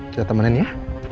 kita temenin ya